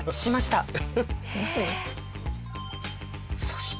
そして。